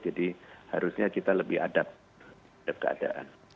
jadi harusnya kita lebih adapt keadaan